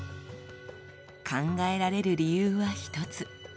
考えられる理由は一つ。